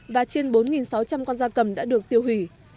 và trên bốn sáu trăm linh con da cầm đã được tiêu hủy